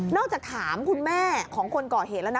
จากถามคุณแม่ของคนก่อเหตุแล้วนะ